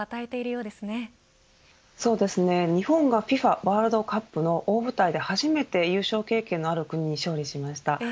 そうですね日本がＦＩＦＡワールドカップの大舞台で初めて優勝経験のある国に勝利しました。